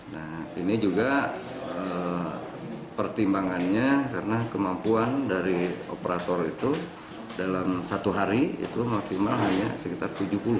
nah ini juga pertimbangannya karena kemampuan dari operator itu dalam satu hari itu maksimal hanya sekitar tujuh puluh